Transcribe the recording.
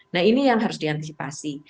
nah ini yang harus diantisipasi